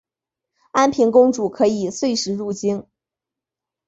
安平公主可以岁时入京。